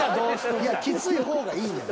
いやきつい方がいいやん。